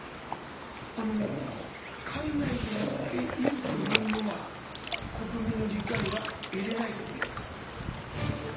海外でやっているというのは、国民の理解は得れないと思います。